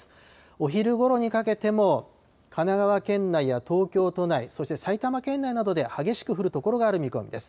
お昼ごろにかけても神奈川県内や東京都内、そして埼玉県内などで激しく降る所がある見込みです。